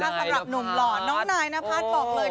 สำหรับหนุ่มหล่อน้องนายนพัฒน์บอกเลย